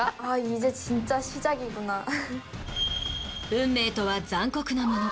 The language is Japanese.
運命とは残酷なもの。